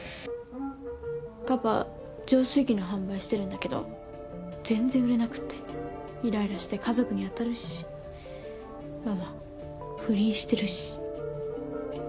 パパ浄水器の販売してるんだけど全然売れなくていらいらして家族に当たるしママ不倫してるし。